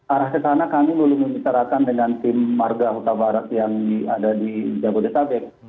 arah ke sana kami belum membicarakan dengan tim marga huta barat yang ada di jabodetabek